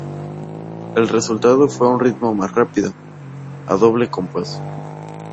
El resultado fue un ritmo más rápido, a doble compás.